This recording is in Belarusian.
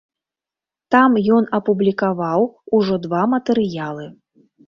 Там ён апублікаваў ужо два матэрыялы.